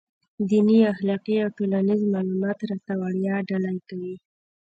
دیني، اخلاقي او ټولنیز معلومات راته وړيا ډالۍ کوي.